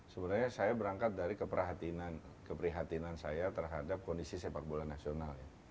sebenarnya saya berangkat dari keprihatinan keprihatinan saya terhadap kondisi sepak bola nasional